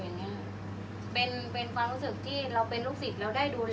อันไหนที่มันไม่จริงแล้วอาจารย์อยากพูด